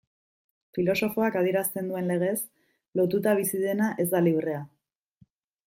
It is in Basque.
Filosofoak adierazten duen legez, lotuta bizi dena ez da librea.